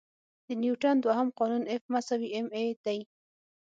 د نیوټن دوهم قانون F=ma دی.